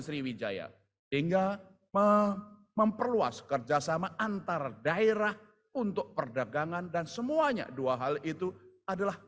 sriwijaya hingga memperluas kerjasama antar daerah untuk perdagangan dan semuanya dua hal itu adalah